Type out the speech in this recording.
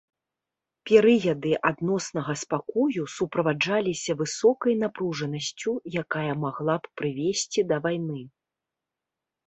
Перыяды адноснага спакою суправаджаліся высокай напружанасцю, якая магла б прывесці да вайны.